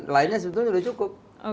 lainnya sebetulnya sudah cukup